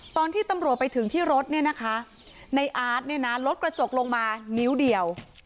ตอนที่ตำรวจไปถึงที่รถเนี่ยนะคะในอาร์ตเนี่ยนะลดกระจกลงมานิ้วเดียว